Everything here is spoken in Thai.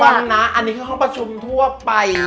วันนะอันนี้คือห้องประชุมทั่วไป